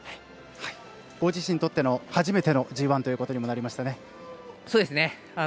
ご自身にとっての初めてのＧＩということにもなりましたね。